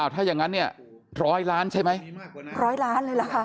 ถ้าอย่างนั้น๑๐๐ล้านใช่ไหม๑๐๐ล้านเลยเหรอคะ